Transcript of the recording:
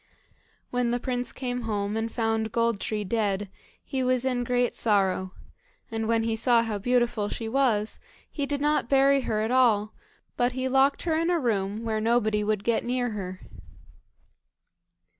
When the prince came home, and found Gold tree dead, he was in great sorrow, and when he saw how beautiful she was, he did not bury her at all, but he locked her in a room where nobody would get near her.